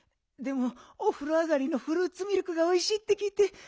でもおふろ上がりのフルーツミルクがおいしいってきいて。